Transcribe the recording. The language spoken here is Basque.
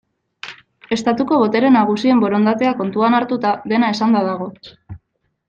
Estatuko botere nagusien borondatea kontuan hartuta, dena esanda dago.